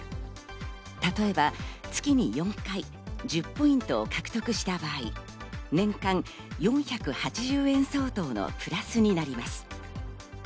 例えば月に４回、１０ポイントを獲得した場合、年間４８０円相当のプラスになります。